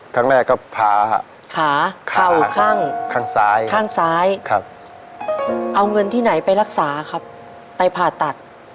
ครั้งแรกก็ผ่า